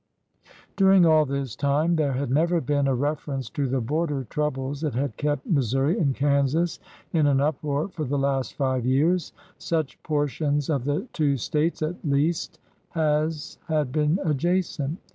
During all this time there had never been a reference to the border troubles that had kept Missouri and Kansas in an uproar for the last five years, — such portions of the two States, at least, as had been adjacent.